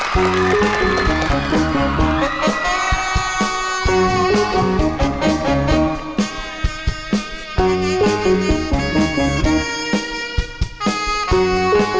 วู้ฮู้